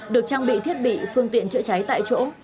được trang bị thiết bị phương tiện chữa cháy tại chỗ